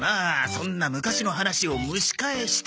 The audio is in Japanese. そんな昔の話を蒸し返しても。